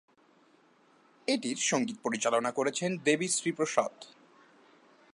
এটির সঙ্গীত পরিচালনা করেছেন দেবী শ্রী প্রসাদ।